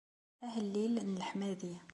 Ahellil n leḥmadi.